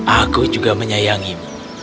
aku juga menyayangimu